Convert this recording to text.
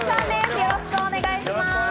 よろしくお願いします！